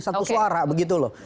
satu suara begitu loh